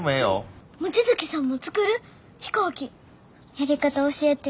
やり方教えて。